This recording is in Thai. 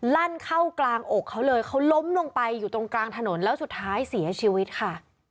ลั่นเข้ากลางอกเขาเลยเขาล้มลงไปอยู่ตรงกลางถนนแล้วสุดท้ายเสียชีวิตค่ะ